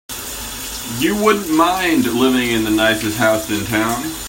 You wouldn't mind living in the nicest house in town.